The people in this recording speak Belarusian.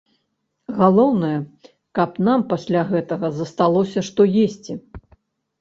Галоўнае, каб нам пасля гэтага засталося, што есці.